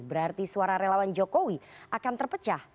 berarti suara relawan jokowi akan terpecah